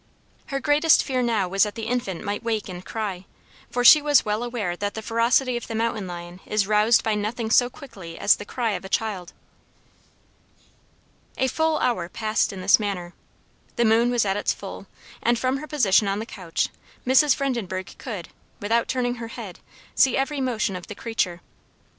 Her greatest fear now was that the infant might wake and cry, for she was well aware that the ferocity of the mountain lion is roused by nothing so quickly as the cry of a child. A full hour passed in this manner. The moon was at its full, and from her position on the couch, Mrs. Vredenbergh could, without turning her head, see every motion of the creature.